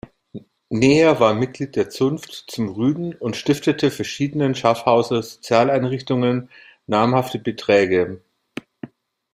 Neher war Mitglied der Zunft zum Rüden und stiftete verschiedenen Schaffhauser Sozialeinrichtungen namhafte Beträge.